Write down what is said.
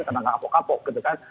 terdengar kapok kapok gitu kan